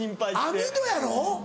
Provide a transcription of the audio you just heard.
網戸やろ？